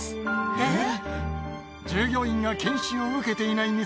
えっ？